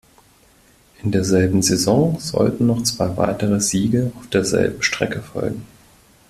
In derselben Saison sollten noch zwei weitere Siege auf derselben Strecke folgen.